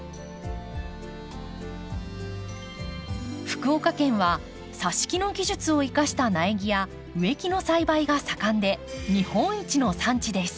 福岡県はさし木の技術を生かした苗木や植木の栽培が盛んで日本一の産地です。